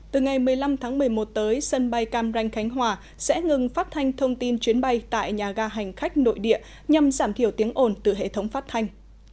từ ngày một mươi năm tháng một mươi một tới sân bay cam ranh khánh hòa sẽ ngừng phát thanh thông tin chuyến bay tại nhà ga hành khách nội địa nhằm giảm thiểu tiếng ồn từ hệ thống phát thanh